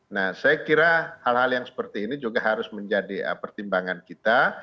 nah saya kira hal hal yang seperti ini juga harus menjadi pertimbangan kita